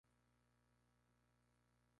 Perdió la amistad de algunos por este suceso.